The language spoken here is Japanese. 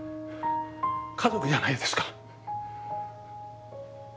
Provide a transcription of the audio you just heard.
家族じゃないですか。